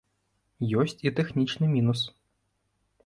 Ёсць і тэхнічны мінус.